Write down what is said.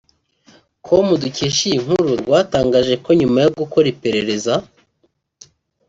com dukesha iyi nkuru rwatangaje ko nyuma yo gukora iperereza